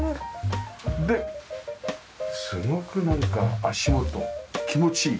ですごくなんか足元気持ちいいな。